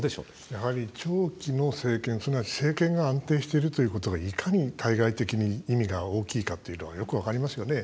やはり、長期の政権政権が安定しているということがいかに対外的に意味が大きいかというのがよく分かりますよね。